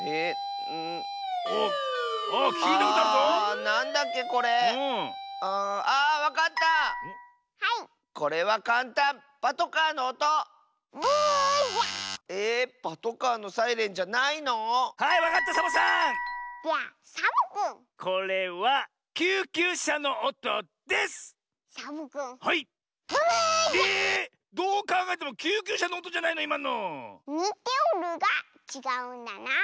どうかんがえてもきゅうきゅうしゃのおとじゃないのいまの。にておるがちがうんだな。